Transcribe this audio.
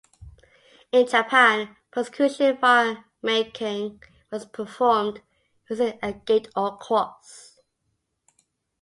In Japan, percussion firemaking was performed, using agate or quartz.